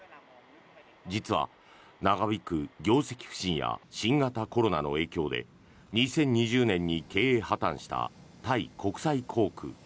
実は長引く業績不振や新型コロナの影響で２０２０年に経営破たんしたタイ国際航空。